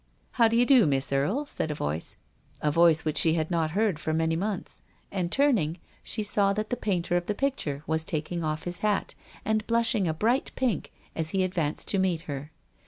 " How do you do, Miss Erie ?" said a voice — a voice which she had not heard for many months — and, turning, she saw that the painter of the picture was taking off his hat, and blushing a bright pink as he advanced to meet her.